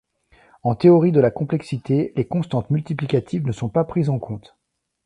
En théorie de la complexité, les constantes multiplicatives ne sont pas prises en compte.